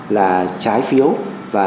là trái phiếu và